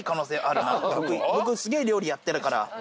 僕すげぇ料理やってるから。